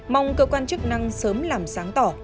mong cơ quan chức năng sớm làm sáng tỏ